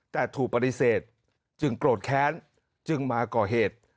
แต่ถูกปฏิเสธจึงโกรธแค้นจึงมาก่อเหตุ